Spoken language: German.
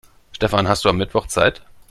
Stefan, hast du am Mittwoch Zeit?